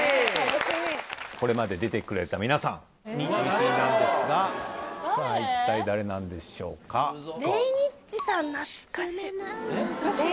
これまで出てくれた皆さんなんですがさあ一体誰なんでしょうか懐かしい！